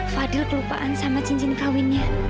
fadil kelupaan sama cincin kawinnya